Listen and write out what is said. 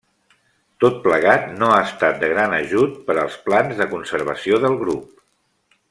Tot plegat no ha estat de gran ajut per als plans de conservació del grup.